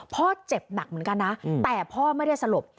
พ่อเจ็บหนักเหมือนกันนะแต่พ่อไม่ได้สลบ